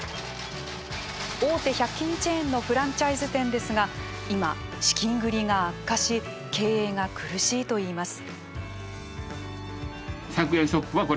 大手１００均チェーンのフランチャイズ店ですが今、資金繰りが悪化し経営が苦しいといいます。